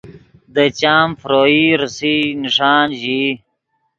دے چام فروئی ریسئی نݰان ژیئی